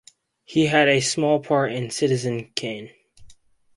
He had a small part in "Citizen Kane".